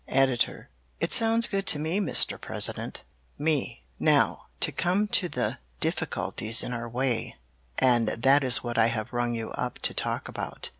"Editor It sounds good to me, Mr. President. "Me Now to come to the difficulties in our way and that is what I have rung you up to talk about.